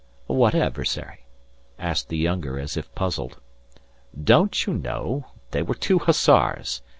"What adversary?" asked the younger as if puzzled. "Don't you know? They were two Hussars.